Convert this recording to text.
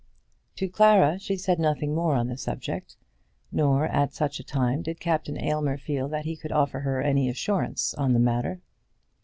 To Clara she said nothing more on the subject, nor at such a time did Captain Aylmer feel that he could offer her any assurance on the matter.